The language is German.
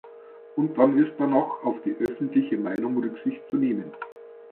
Und dann ist da noch auf die öffentliche Meinung Rücksicht zu nehmen.